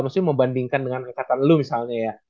maksudnya membandingkan dengan angkatan lu misalnya ya